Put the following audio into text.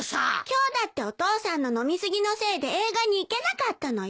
今日だってお父さんの飲み過ぎのせいで映画に行けなかったのよ。